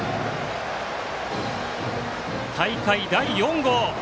大会第４号！